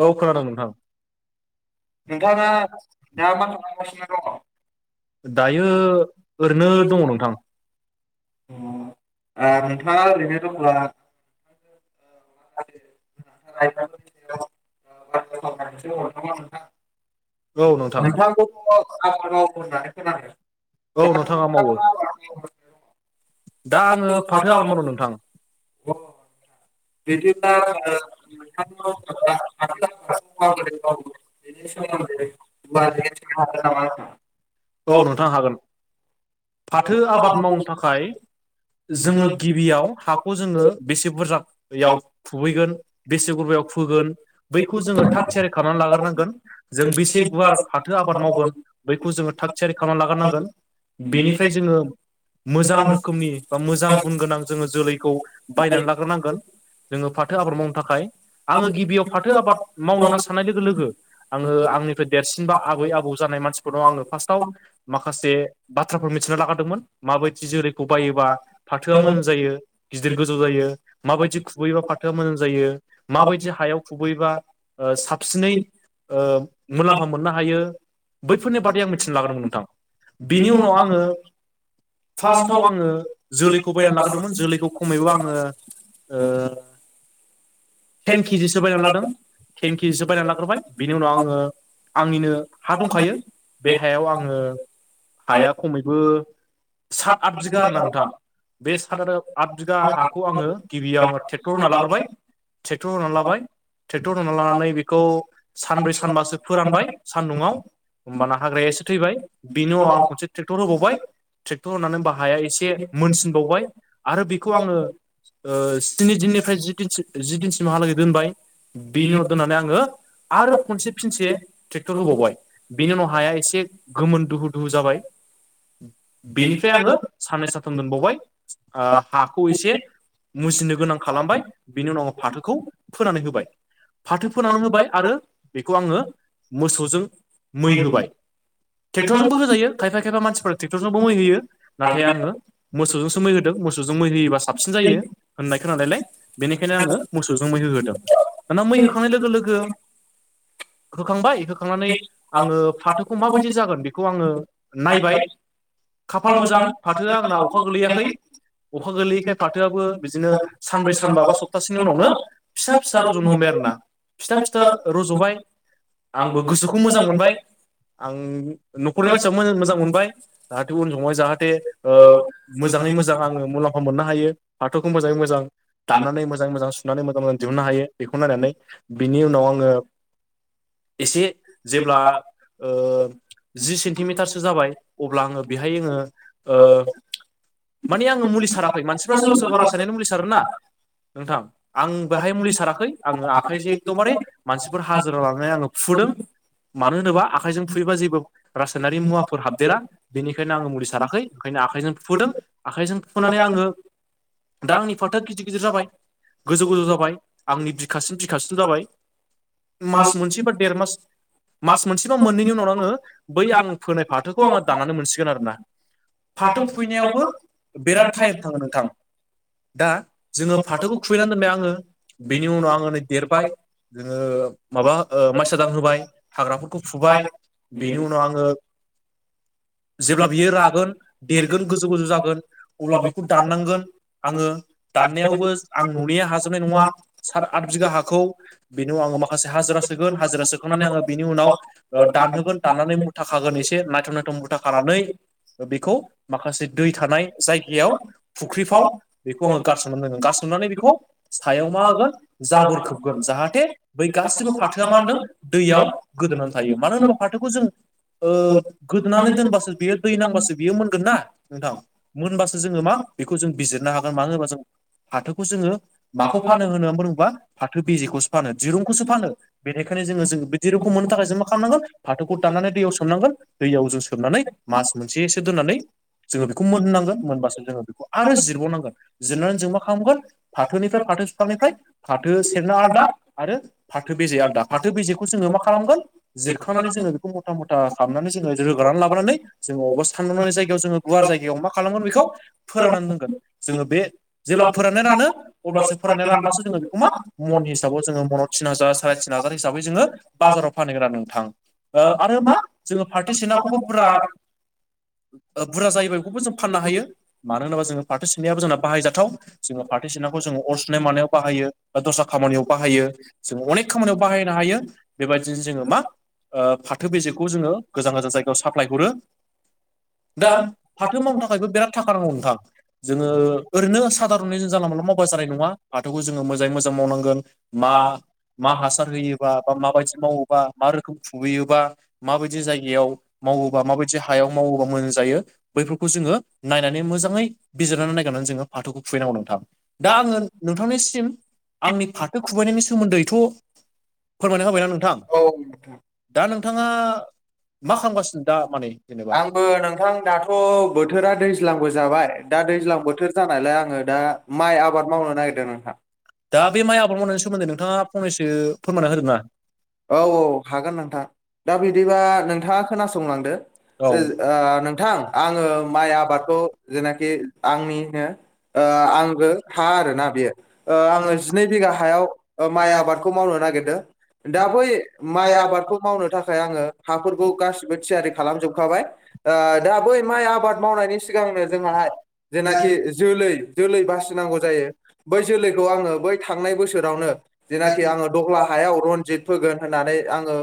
औ खोनादों नोंथां। नोंथाङा [unintelligible] दायो अ, ओरैनो दङ नोंथां। ओ नोंथाङा ओरैनो दंब्ला। [unintelligible] [unintelligible] औ नोंथां नोंथांखौथ आबाद मावो होननानै खोनादों। औ नोंथां आं मा मावो। आबाद मावगासिनो दङ? दा आङो फाथो आबाद मावदों नोंथां। [unintelligible] बिदिब्ला ओ नोंथांनाव आं फाथो [unintelligible] [unintelligible] औ नोंथां हागोन। फाथो आबाद मावनो थाखाय। जोङो गिबियाव हाखौ जोङो बेसे बुरजा। बेयाव फुहैगोन बेसे गुरबायाव फोगोन बैखौ जोङो थाग थियारि खालामनानै लाग्रोनांगोन। जों बेसे गुवार फाथो आबाद मावगोन बैखौ जोङो थाग थियारि खालामना लाग्रोनांगोन। बेनिफ्राय जोङो। मोजां रोखोमनि। जोङो फाथो आबाद मावनो थाखाय आङो गिबियाव फाथो आबाद मावनानै साननाय लोगो लोगो आङो आं आंनिफ्राय देरसिन बा आबै- आबौ जानाय मानसिफोर नाव आंनो फार्स्टआव माखासे बाथ्राफोर मिथिना लाग्रोदोंमोन माबायदि जोलैखौ बायोबा फाथोआ मोजां जायो गिदिर गोजौ जायो। माबायदि खुबैबा फाथोआ मोजां जायो माबायदि हायाव खुबैबा? साबसिनै मुलाम्फा मोननो हायो। बैफोरनि बादै आं मिथिना लागदोंमोन नोंथां बिनि उनाव आङो। फार्स्टआव आङो जोलैखौ बायनानै लाग्रोदोंमोन। जोलैखौ खमायब आङो टेन केजिसो बायनानै लादों। थेनखि जोब बायनानै लाग्रोबाय बिनि उनाव आङो आंनिनो हा दंखायो। बे हायाव आङो हाया खमैबो सात, आथ बिगा आरो ना नोंथां बे सात आरो। आथ बिगा हाखौ आङो गिबियाव आङो ट्रेक्टर होनानै लाग्रोबाय ट्रेक्टर होनानै लाबाय। ट्रेक्टर होनना लानानै बेखौ सानब्रै सानबासो फोरानबाय सान्दुंआव होमबाना हाग्राया एसे थैबाय बेनि उनाव आं खनसे ट्रेक्टर होबावबाय। ट्रेक्टर होननानै बाहाया एसे मोनसिनबावबाय आरो बेखौ आङो स्नि दिननिफ्राय जिन जि दिनसिमहालागै दोनबाय। बिनि उनाव दोननानै आङो आरो खनसे फिनसे ट्रेक्टर होबावबाय बिनि उनाव हाया एसे गोमोन दुहु- दुहु जाबाय बेनिफ्राय आङो साननै, साथाम दोनबावबाय हाखौ एसे मुजिनो गोनां खालामबाय बिनि उनाव फाथोखौ फोनानै होबाय। फाथो फोनानै होबाय आरो बेखौ आङो मोसौजों मै होबाय। ट्रेक्टरजोंबो होजायो खायफा - खायफा मानसिफोरा टेक्टरजोंबो मै होयो नाथाय आङो मोसौ जोंसो मै होदों मोसौजों मै होयोब्ला साबसिन जायो होनाय खोनानायलाय बेनिखायनो आङो मोसौजों मै होगोरदों। दाना मै होखांना होखांनाय लोगो - लोगो होखांबाय होखांनानै आङो फाथोखौ माबायदि जागोन बे-' ओ नायबाय खाफाल मोजां फाथो आंना अखा गोलैयाखै। अखा गोलैयैखाय फाथोआबो बिदिनो सानब्रै, सानबा, बा सप्तासेनि उनावनो फिसा -फिसा रजन हमो आरोना। फिसा- फिसा रज'बाय आंबो गोसोखौ मोजां मोनबाय आं। न'खरनि मानसिया मोज मोजां मोनबाय। जाहाथे उन समै जाहाथे मोजाङै मोजां आङो मुलाम्फा मोननो हायो फाथोखौ मोजाङै मोजां। दाननानै मोजाङै मोजां सुनानै मोजां - मोजां दिहुननो हायो बेखौ नायनानै बिनि उनाव आङो। एसे जेब्ला जि सेन्टिमिटारसो जाबाय अब्ला आङो बेहाय आङो ओ माने आङो मुलि साराखै मानसिफ्रा सोरबा सोरबा रासायनारि मुलि सारोना? नोंथां आं बेहाय मुलि साराखै आङो आखाइजों एखदबारे मानसिफोर हाजिरा लांनानै आङो फुदों मानो होनोबा आखाइजों फुयोबा जेबो रासायनारि मुवाफोर हाबदेरा बेनिखायनो आङो मुलि साराखै ओंखायनो आखाइजों थुफुदों आखाइजों फुफोननानै आङो दा आंनि फाराथो गिदिर- गिदिर जाबाय गोजौ - गोजौ जाबाय आंनि बिखासिन - बिखासिन जाबाय। मास मोनसे बा देर मास मास मोनसे बा मोननैनि उनाव आङो। बै आं फोनाय फाथोखौ आङो दानानानै मोनसिगोन आरोना। फाथो फुहैनायावबो बिराद टाइम थाङो नोंथां। दा जोङो फाथोखौ खुबैनानै दोनबाय आङो बेनि उनाव आङो नै देरबाय जोङो माबा ओ माइसादान होबाय हाग्राफोरखौ फुबाय बे आङो जेब्ला बियो रागोन देरगोन गोजौ गोजौ जागोन अब्ला बेखौ दाननांगोन। आङो दाननायावबो आं न'निया हाजोबनाय नङा सात आथ बिगा हाखौ बेनिाव आं आङो माखासे हाजिरा सोगोन हाजिरा सोखांनानै आङो बिनि उनाव दानहोगोन। दाननानै मुथा खागोन एसे नायथाव नायथम मुथा खानानै बेखौ माखासे दै थानाय जायगायाव फुख्रिफाव बेखौ आङो गारसननो रोंङोन गार सुनानै बेखौ सायाव मा होगोन जाबोर खोबगोन जाहाथे बै गासिबो फाथोआ मा होनदों दैयाव गोदोनानै थायो मानो होनोबा फाथोखौ जों ओ गोदोनानै दोनबासो बियो दै नांबासो बियो मोनगोन ना नोंथां मोनबासो जोङो मा बेखौ जों बिजिरनो हागोन मानो होनोबा जों फाथोखौ जोङो माखौ फानो होनो बुङोबा फाथो बिजिखौसो फानो दिरुंखौसो फानो बेनिखायनो जोङो जों बे दिरुंखौ मोननो थाखाय जों मा खालामनांगोन फाथोखौ दाननानै दैयाव सोमनांगोन दैयाव जों सोमनानै मास मोनसेसो दोननानै जोङो बेखौ मोननांगोन मोनबासो जोङो बेखौ आरो जिरबावनांगोन जिरनानै जों मा खालामगोन फाथोनिफ्राय फा फाथो बिफांनिफ्राय फाथो सेरना आलदा आरो फाथो बेेजे आलदा फाथो बेेखौ जोङो मा खालामगोन जिर खनानै जोङो बेखौ मथा मथा खालामनानै जोङो रोगानानानै लाबोनानै जोङो अबा सानदांनानै जायगायाव जो गुवार जायगायाव मा खालामगोन बेखौ फोराननानै दोनगोन जोङो बे जेब्ला फोराननानै रानो अब्लासो फोराननानै रानबासो जोङो बेखौ मा मन हिसाबाव जोङो मनाव थिन हाजार साराय तिन हाजार हिसाबै जोङो बाजाराव फानहैग्रा नोंथां। ओ आरो मा जोङो पार्टि सेनाखौबो बुरा बुरजा जायोबा बेखौबो जों फाननो हायो मानो होनोबा जोङो फारटि सबनायाबो जोंना बाहायजाथाव जोङो फाथो सिनाखौ जोङो अर सुनाय मानायाव बाहायो बा दस्रा खामानियाव बाहायो जों अनेक खामानियाव बाहायनो हायो। बेबायदिनो जोङो मा ओ फाथो बेजेखौ जोङो गोजान गोजान जायगायाव साप्लाय हरो। दा फाथो मावथां बो बिराद थाखा नांगौ नोंथां जोङो ओरैनो सधारनै जों जानला मोनानला मावबा जानाय नङा बाथौखौ जोङो मोजाङै मोजां मावनांगोन मा मा हासार होयोबा बा माबायदि मावोबा मा रोखोम खुुबैयोबा माबायदि जायगायाव मावोबा माबायदि हायाव मावोबा मोजां जायो बैफोरखौ जों ङो नायनानै मोजाङै बिजिरनानै नायनानै जोङो फाथोखौ फुुहैनांगौ नोंथां दा आङो नोंथांनिसिम आंनि फाथो खुबायनायनि सोमोन्दैथ' फोरमायना होबायना नोंथां। औ नोंथां दा नोंथाङा मा खालामगासिनो दा माने जेनेबा? आंबो नोंथां दाथ' बोथोरा दैज्लांबो जाबाय दा दैज्लां बोथोर जानायलाय आं आङो दा माइ आबाद मावनो नागिरदों नोंथां। दा बे माइ आबाद मावनायनि सोमोन्दै नोंथाङा फंनैसो फोरमानना होदों ना औ औ हागोन नोंथां दा बिदिबा नोंथाङा खोनासंलांदो। औ ओ नोंथां आङो माइ आबादखौ जेनाखि आंनिनो ओ आंबो हा आरोना बेयो। ओ आङो जिनै बिगा हायाव माइ आबादखौ मावनो नागिरदों। दा बै माइ आबादखौ मावनो थाखाय आङो हाफोरखौ गासिबो थियारि खालामजोबखाबाय ओ दा बै माइ आबाद मावनायनि सिग गांनो जोंङाहाय जेनाखि जोलै जोलै बासिनांगौ जायो बै जोलैखौ आंङो बै थांनाय बोसोरावनो जेनाखि आङो दलाहायाव र' जिद फोगोन होननानै आङो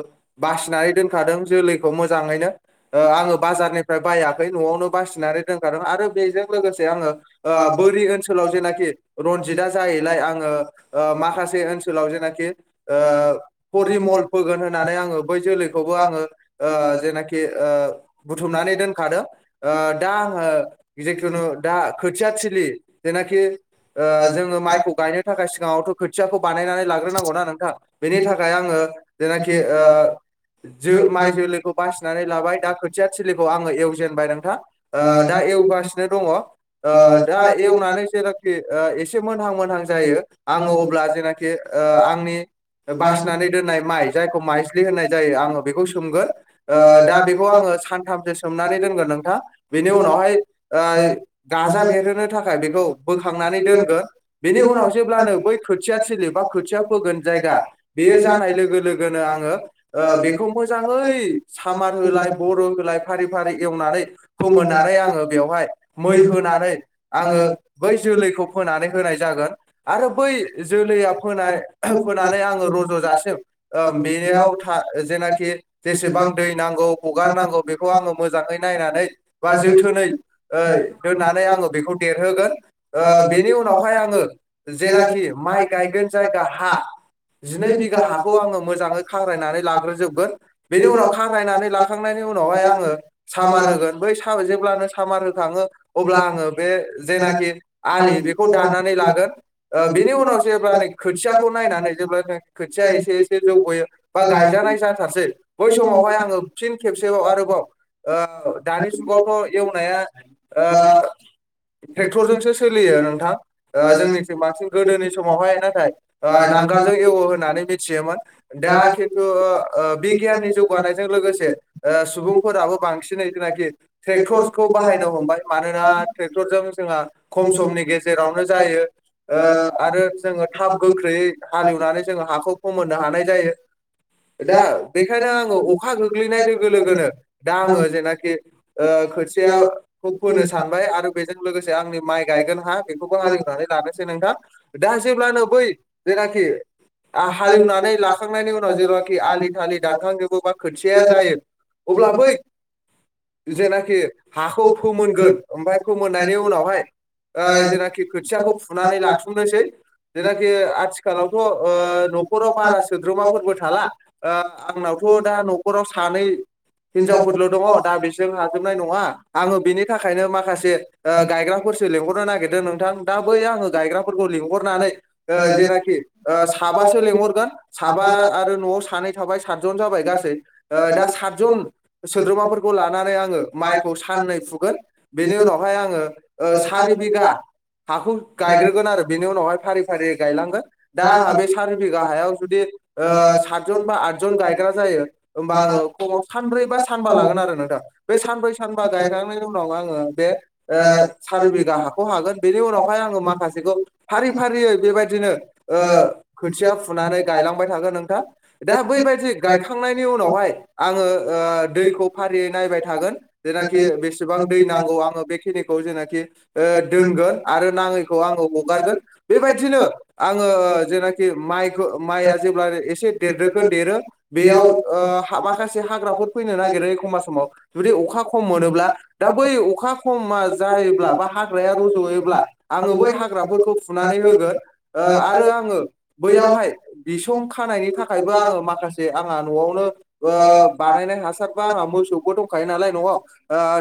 बासिनानै दोनखादों जोलैखौ मोजाङैनो। ओ आङो बाजारनिफ्राय बायाखै न'आवनो बासिनानै दोनखादों आरो बेजों लोगोसे आङो ओ बोरि ओनसोलाव जेनाखि रनजितआ जाहैलाय आङो ओ माखासे ओनसोलाव जेनाखि परिमल फोगोन नानै आंङो बै जोलैखौबो आङो ओ जेख ओ बुथुमनानै दोनखादों। ओ दा आंङो जिथुनु दा खोथिया थलि जेनाखि ओ जोङो माइखौ गायनो थाखाय सिगाङावथ' खोथियाखौ बानायनानै लाग्रोनांगौ ना नोंथा बेनि थाखाय आङो जेनाखि ओ ओ जों माइ-माइ जोलैखौ बासिनानै लाबाय दा खोथिया थिलिखौ आङो एवजेनबाय नोंथां दा एवगासिनो दङ दा एवनानै जेनाखि ओ एसे मोनहां मोनहां जायो आङो अब्ला जेनाखि ओ आंनि बासिनानै दोननाय माइ जाय जायखौ माइज्लि होननाय जायो आंङो बेखौ सोमगोन दा बेखौ आंङो सानथामसो सोमनानै दोनगोन नोंथां बेनि उनावहाय ओ गाजा बेरहोनो थाखाय बोखांनानै दोनोन बेनि उनाव जेब्लानो बै ख खोथिया थिलि बा खोथिया फोगोन जायगा बेयो जानाय लोगो लोगोनो आङो ओ बेखौ मोजाङै सामार होलाय बर' होलाय फारि फारि एवनानै फोमोननानै आङो बेवहाय मै होनानै आङो बै जोलै खौ फोनानै होनाय जागोन आरो बै जोलैआ फोनाय फोनानै आङो रज' जाासिम ओम बेनियाव था जेनाखि जेसेबां दै नांगौ हगारनांगौ बेखौ आङो मोजाङै नायनानै बा जोथोनै ओ दोननानै आङो बेखौ देरहोगोन ओ बेनि उनावहाय आङो जेनाखि माइ गायगोन जायगा हा जिनै बिघा हाखौ आङो मोज जाङो खांरायनानै लाग्रोजोबगोन बेनि उनाव खारायनानै लाखांनायनि उनावहाय आङो सामार होगोन बै साव जेब्लानो सामार होखाङो अब्ला आङो बे जेनाखि आलि बेखौ दाननानै लागोन ओ बेनि उनाव जेबब्ला नो खोथियाखौ नायनानै जेब्ला खोथिया एसे एसे जौगयो बा गायजानाय जाथारसै बै समावहाय आङो फिन खेबसेबाव आरोबाव ओ दानि जुगावथ' एवनाया ओ ट्रेक्टरजोंसो सोलियो नोंथां ओ जोंनिथिं बांसिन गोदोनि समावहाय नाथाय ओ नांगोलजों एवो होननानै मिथियोमोन दा खिन्थु ओ बिगियाननि जौगानायजों लोगोसे ओ सुबुंफोराबो बांसिनै जेनाखि ट्रेक्टर खौ बाहायनो हमबाय मानोना ट्रेक्टरजों जोंहा खम समनि गेजेरावनो जायो। ओ आरो जोङो थाब गोख्रैयै हालेवनानै जोङो हाखौ फोमोननो हानाय जायो। दा बेखायनो आङो अखा गोग्लैनाय लोगो लोगोनो दा आङो जेनाखि ओ खोथियाखौ फोनो सानबाय आरो बेजों लोगोसे आंनि माइ गायगोन हा बेखौबो हालेवनानै लानोसै खो नोंथां दा जेब्लानो बै जेनाखि आ हालेवनानै लाखांनायनि उन नाव जेनाखि आलि थालि दानखांजोबो बा खोथिया जायो अब्ला बै जेनाखि हाखौ फोमोनगोन ओमफाय फोमोननायनि उनावहाय ओ जेनाखि खोथियाखौ फुनानै लाथुमनोसै जेनाखि आथिख खालावथ ओ न'खराव बारा सोद्रोमाफोरबो थाला ओ आंनावथ दा न'खराव सानै हिनजावफोरल' दङ दा बिसोर हाजोबनाय नङा आङो बेनि थाखायनो माखासे ओ गायग्राफोर सो लेंहरनो नागिरदों नोंथां दा बै आङो गायग्राफोरखौ लिंहरनानै ओ जेना खि ओ साबासो लेंहरगोन साबा आरो न'आव सानै थाबाय सातजन जाबाय गासै दा सातजन सोद्रोमाफोरखौ लानानै आङो माइखौ साननै फुगोन बेनि उनावहाय आङो ओ सारि बिगा हाखौ गायग्रोगोन आरो बेनि उनावहाय फारि फारि गायलांगोन दा आंहा बे सारि बिघा हायाव जुदि ओ सातजन बा आदजन गायग्रा जायो होमबा आङो खमस सानब्रै बा सानबा लागोन आरो नोंथां बे सानब्रै सानबा गायखांनायनि उनाव आङो बे ओ सारि बिघा हाखौ हागोन बेनि उनावहाय आङो माखासेखौ फारि फारियै बेबायदिनो ओ खोथिया फुनानै गायलांबाय थागोन नोंथां दा बैबायदि गायखांनायनि उन नावहाय आङो दैखौ फारियै नायबाय थागोन जेनाखि बेसेबां दै नांगौ आङो बे खिनिखौ जेनाखि ओ दोनगोन आरो नाङैखौ आङो हगारगोन बेबायदिनो आङो जेनाखि माइखो माइआ जेब्ला एसे देरदोगोन देरो बेयाव ओ हा माखासे हाग्राफोर फैनो नागिरो एखमबा समाव। जुदि अखा खम मोनोब्ला, दा बै अखा खम मा जायोब्ला बा हाग्राया रज'योब्ला, आङो बै हाग्राफोरखौ फुनानै होगोन। ओ आरो आङो बैयावहाय बिसं खानायनि थाखायबो आङो माखासे आङा न'आवनो ओ बानायनाय हास सारबा आंहा मोसौबो दंखायो नालाय न'आव। ओ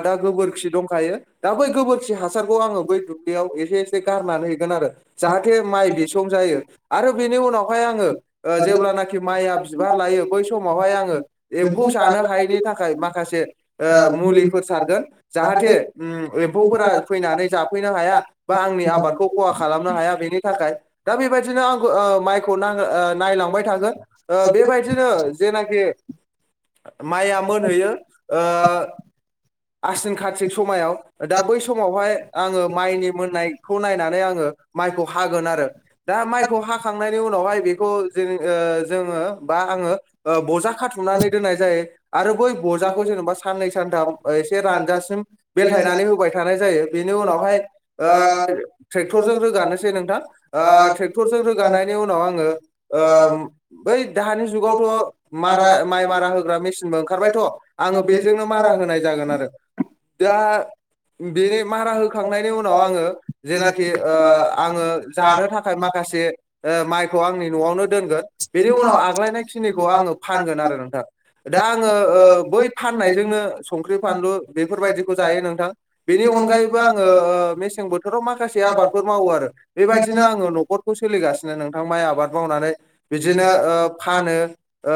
दा गोबोरखि दंखायो, दा बै गोबोरखि हासारखौ आङो बै दुब्लियाव एसे एसे गारनानै हैगोन आरो। जाहाथे माइ बे सं जायो आरो बेनि उनावहाय आङो ओ जेब्लानाखि माइया बिबार लायो, बै समावहाय आङो एम्फौ जानो हायैनि थाखाय मा खासे ओ मुलिफोर सारगोन जाहाथे उम एम्फौफोरा फैनानै जाफैनो हाया। बा आंनि आबादखौ खहा खालामनो हाया बेनि थाखाय। दा बेबादिनो आंखो ओ माइखौ नायलांबाय थागोन। बेबायदिनो जेनाखि माइया मोनहैयो ओ आसिन खाथिख समायाव दा बै समावहाय आङो माइनि मोननायखौ नायनानै आङो माइखौ हागोन आरो। दा माइखौ हाखांनायनि उनावहाय बेखौ ज ओ जोङो बा आङो ओ बजा खाथुम नानै दोननाय जायो आरो बै बजाखौ जेनेबा साननै सानथाम एसे रानजासिम बेलथायनानै नानै होबाय थानाय जायो। बेनि उनावहाय ओ ट्रेक्टरजों रोगानोसै नोंथां। ओ ट्रेक्टरजों रोगानायनि उनाव आङो ओ बै दाहानि जुगावथ' माइ मारा माइ मारा होग्रा मेचनबो ओंखारबायथ', आङो बेजोंनो मारा होनाय जागोन आरो। दा बेनि मारा होखांनायनि उनाव आङो जेनाखि ओ आङो जानो थाखाय माखास से माइखौ आंनि न'आवनो दोनगोन। बेनि उनाव आग्लायनाय खिनिखौ आङो फानगोन आरो नोंथां। दा आङो ओ बै फाननायजोंनो संख्रि फानलु बेफोरबायदिखौ जायो नोंथां। बेनि अनगायैबो आङो ओ मेसें बोथोराव माखासे आबादफोर मावो आरो। बेबायदिनो आङो न'खरखौ सोलिगासिनो नोंथां माइ आबाद मावनानै। बिदिनो ओ फानो। ओ